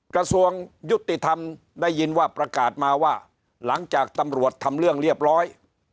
กระทรวงยุติธรรมได้ยินว่าประกาศมาว่าหลังจากตำรวจทำเรื่องเรียบร้อย